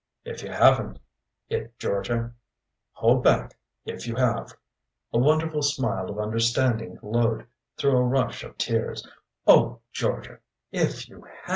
If you haven't it, Georgia hold back. If you have," a wonderful smile of understanding glowed through a rush of tears "oh, Georgia, if you have!"